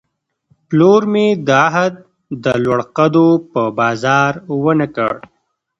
پلور مې د عهد، د لوړ قدو په بازار ونه کړ